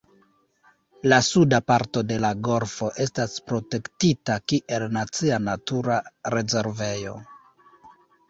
La suda parto de la golfo estas protektita kiel nacia natura rezervejo.